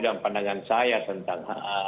dan pandangan saya tentang